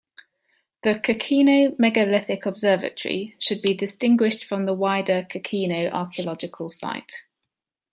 The Kokino "megalithic observatory" should be distinguished from the wider Kokino archaeological site.